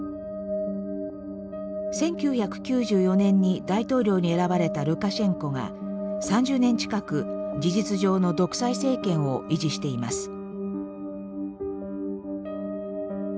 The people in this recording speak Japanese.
１９９４年に大統領に選ばれたルカシェンコが３０年近く事実上の独裁政権を維持しています。